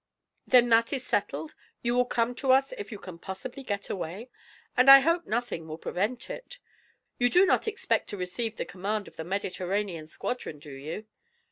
Then that is settled? You will come to us if you can possibly get away, and I hope nothing will prevent it. You do not expect to receive the command of the Mediterranean squadron, do you?"